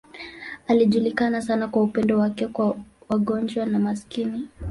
Alijulikana sana kwa upendo wake kwa wagonjwa na maskini.